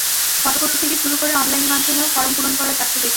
Photocopy থেকে শুরু করে অনলাইন মাধ্যমেও ফরম পূরণ করা যাচ্ছে সেখানে।